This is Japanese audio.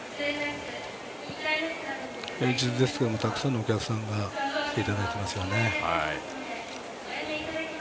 平日ですけれどもたくさんのお客さんが来ていただけていますよね。